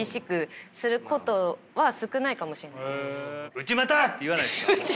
「内股！」って言わないですか？